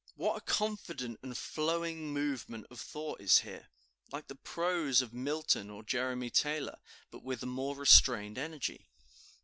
What a confident and flowing movement of thought is here! like the prose of Milton or Jeremy Taylor, but with a more restrained energy.